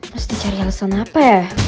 mesti cari alasan apa ya